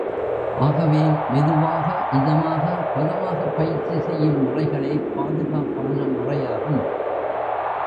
ஆகவே, மெதுவாக, இதமாக, பதமாகப் பயிற்சி செய்யும் முறைகளே பாதுகாப்பான முறையாகும்.